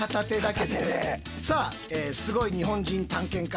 さあすごい日本人探検家